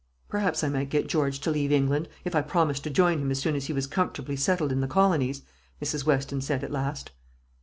"Perhaps I might get George to leave England, if I promised to join him as soon as he was comfortably settled in the colonies," Mrs. Weston said, at last.